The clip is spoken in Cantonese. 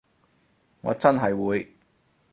我真係會